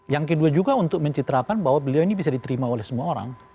yang kedua juga untuk mencitrakan bahwa beliau ini bisa diterima oleh semua orang